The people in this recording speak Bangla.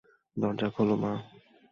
দরজা খোল, মা!